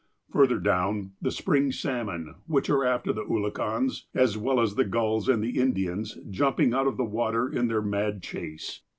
Further down, the spring sal mon, which are after the oolakans, as well as the gulls and the Indians, ^'umping out of the water in their mad chase.